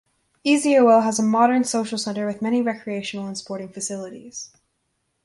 Eziowelle has a modern social center with many recreational and sporting facilities.